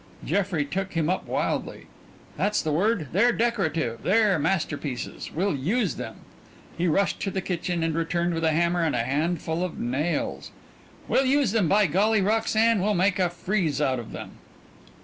Jeffrey took him up wildly. "That's the word. They're decorative; they're masterpieces. We'll use them." He rushed to the kitchen and returned with a hammer and a handful of nails. "We'll use them, by golly, Roxanne! We'll make a frieze out of them."